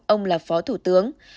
ông là phó thủ tướng